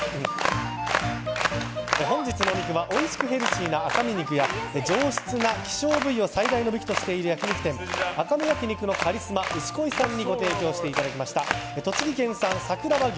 本日のお肉はおいしくヘルシーな赤身肉や上質な希少部位を最大の武器としている焼き肉店赤身焼き肉のカリスマ牛恋さんにご提供していただいた栃木県産さくら和牛